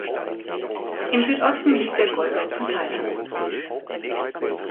Im Südosten liegt der Golf von Thailand.